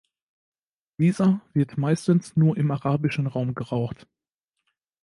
Dieser wird meistens nur im arabischen Raum geraucht.